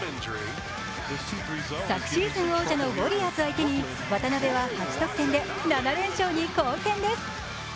昨シーズン王者のウォリアーズ相手に渡邊は８得点で７連勝に貢献です。